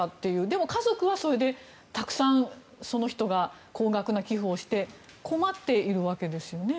でも家族はそれで、たくさんその人が高額な寄付をして困っているわけですよね。